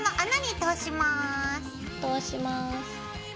通します。